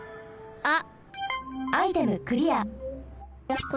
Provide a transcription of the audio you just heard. あっ。